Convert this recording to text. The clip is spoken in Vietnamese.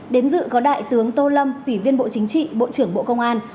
đến dự có đại tướng tô lâm ủy viên bộ chính trị bộ trưởng bộ công an